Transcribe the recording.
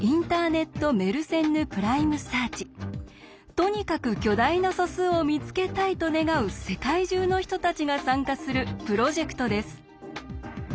とにかく巨大な素数を見つけたいと願う世界中の人たちが参加するプロジェクトです。